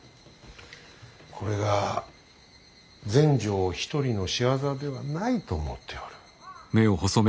これが全成一人の仕業ではないと思っておる。